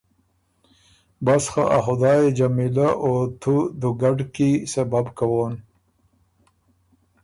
بس خه ا خدایٛ يې جمیلۀ او تُو دُوګډ کی سبب کوون